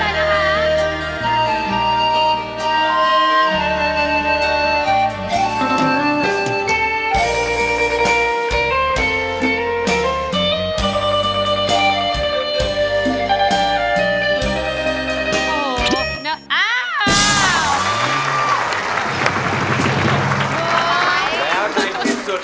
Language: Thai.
แล้วในคลิปสุดนะครับ